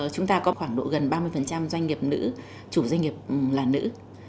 chúng ta có khoảng độ gần ba mươi doanh nghiệp nữ chủ doanh nghiệp là nữ